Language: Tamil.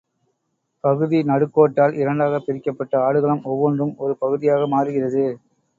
பகுதி நடுக்கோட்டால் இரண்டாகப் பிரிக்கப்பட்ட ஆடுகளம் ஒவ்வொன்றும், ஒரு பகுதியாக மாறுகிறது.